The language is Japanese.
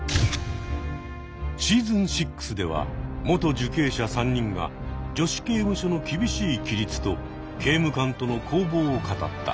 シーズン６では元受刑者３人が女子刑務所の厳しい規律と刑務官との攻防を語った。